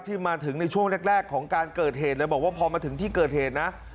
ที่มาถึงในช่วงแรกของการเกิดเหตุเลยบอกว่าพอมาถึงที่เกิดเหตุนะ